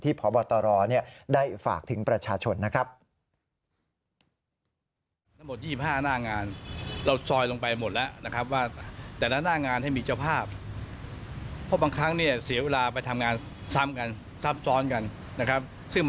พบตรได้ฝากถึงประชาชนนะครับ